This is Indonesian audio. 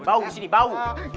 bau disini bau